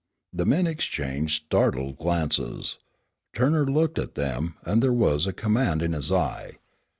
The men exchanged startled glances. Turner looked at them, and there was a command in his eye.